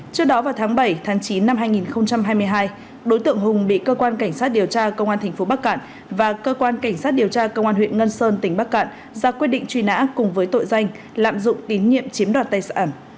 trước đó vào tháng bảy chín hai nghìn hai mươi hai đối tượng hùng bị cơ quan cảnh sát điều tra công an tp bắc cạn và cơ quan cảnh sát điều tra công an huyện ngân sơn tỉnh bắc cạn ra quyết định truy nã cùng với tội danh lạm dụng tín nhiệm chiếm đoạt tài sản